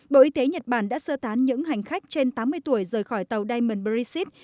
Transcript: bộ y tế nhật bản đã sơ tán những hành khách trên tám mươi tuổi rời khỏi tàu diamond princess